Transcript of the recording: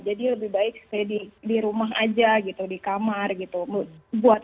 jadi lebih baik di rumah aja gitu di kamar gitu